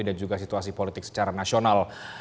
dan juga situasi politik secara nasional